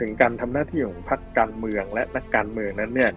ถึงการทำหน้าที่ของภาคการเมืองและนักการเมืองนั้น